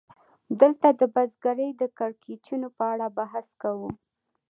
دلته د بزګرۍ د کړکېچونو په اړه بحث کوو